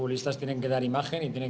dan harus memberikan imajen yang baik